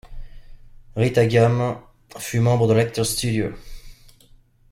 Rita Gam fut membre de l'Actors Studio.